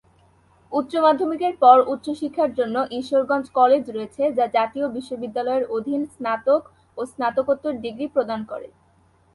উচ্চ মাধ্যমিকের পর উচ্চ শিক্ষার জন্য ঈশ্বরগঞ্জ কলেজ রয়েছে যা জাতীয় বিশ্ববিদ্যালয়ের অধীন স্নাতক ও স্নাতকোত্তর ডিগ্রি প্রদান করে।